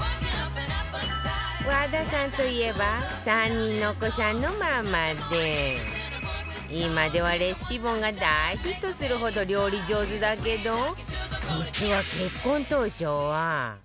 和田さんといえば今ではレシピ本が大ヒットするほど料理上手だけど実は結婚当初は